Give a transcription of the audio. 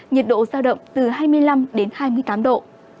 nhiệt độ giao động từ hai mươi năm đến hai mươi tám độ